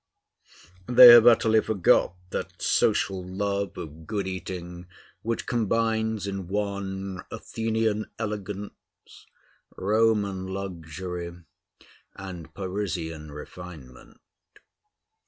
They have utterly forgot that social love of good eating which combines in one, Athenian elegance, Roman luxury, and Parisian refinement.